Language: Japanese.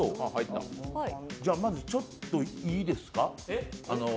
ちょっといいですか。